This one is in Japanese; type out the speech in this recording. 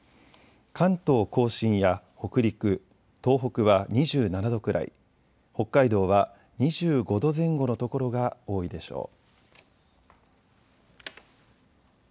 関東甲信や北陸、東北は２７度くらい、北海道は２５度前後の所が多いでしょう。